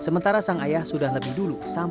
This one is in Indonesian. hutan maksud anda hutan